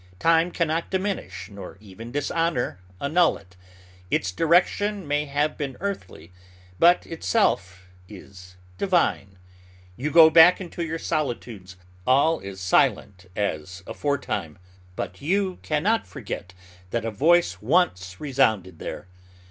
Time can not diminish, nor even dishonor annul it. Its direction may have been earthly, but itself is divine. You go back into your solitudes: all is silent as aforetime, but you can not forget that a Voice once resounded there.